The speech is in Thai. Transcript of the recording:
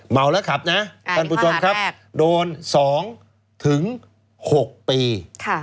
เมาแล้วขับนะท่านผู้ชมครับโดน๒๖ปี